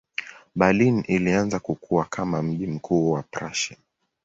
Berlin ilianza kukua kama mji mkuu wa Prussia.